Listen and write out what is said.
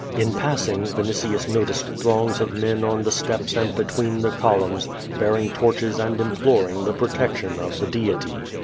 In passing, Vinitius noticed throngs of men on the steps and between the columns, bearing torches and imploring the pro tection of the deity.